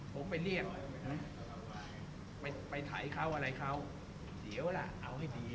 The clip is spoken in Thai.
ผมไปเรียกนะไปไถเขาอะไรเขาเดี๋ยวล่ะเอาให้ดี